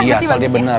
iya asal dia benar